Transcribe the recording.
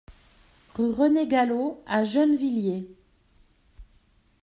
Rue Renée Gallot à Gennevilliers